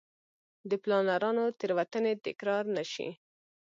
د پلانرانو تېروتنې تکرار نه شي.